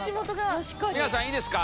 皆さんいいですか？